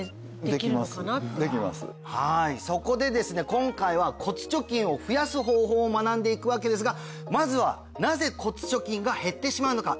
今回は骨貯金を増やす方法を学んでいくわけですがまずはなぜ骨貯金が減ってしまうのか